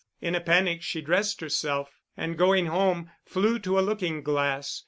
In a panic she dressed herself, and going home, flew to a looking glass.